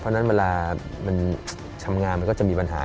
เพราะฉะนั้นเวลามันทำงานมันก็จะมีปัญหา